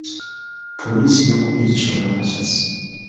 Poliisi yakubye ekisolo amasasi.